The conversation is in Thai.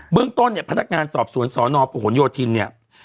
เบื้องต้นเนี่ยพนักงานสอบสวนส่อนอโผ่นโยธิณเนี่ย